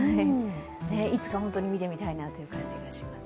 いつか本当に見てみたいなという感じがします。